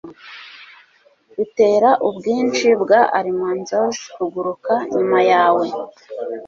bitera ubwinshi bwa almanzors kuguruka nyuma yawe